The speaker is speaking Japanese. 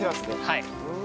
はい。